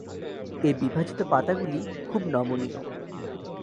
এর বিভাজিত পাতাগুলি খুব নমনীয়।